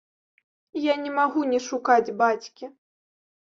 Я не магу не шукаць бацькі.